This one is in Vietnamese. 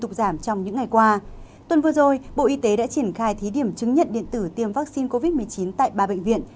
trong những ngày qua tuần vừa rồi bộ y tế đã triển khai thí điểm chứng nhận điện tử tiêm vaccine covid một mươi chín tại ba bệnh viện